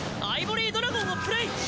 アイボリードラゴンをプレイ！